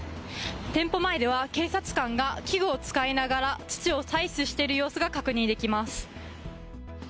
店舗前では警察官が器具を使いながら土を採取している様子が確認できます。